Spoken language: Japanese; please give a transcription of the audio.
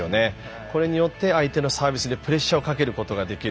これによって相手のサービスでプレッシャーをかけることができる。